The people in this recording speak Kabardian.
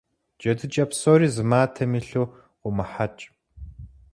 Джэдыкӏэ псори зы матэм илъу къыумыхьэкӏ.